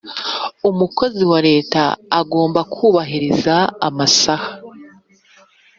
umukozi wa leta agomba kubahiriza amasaha